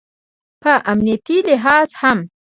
په امنیتي لحاظ هم